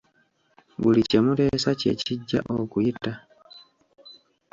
Buli kye muteesa kye kijja okuyita.